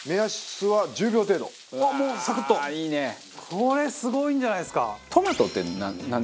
これすごいんじゃないですか？